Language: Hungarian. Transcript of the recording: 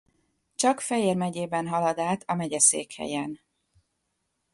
Csak Fejér megyében halad át a megyeszékhelyen.